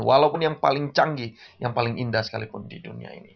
walaupun yang paling canggih yang paling indah sekalipun di dunia ini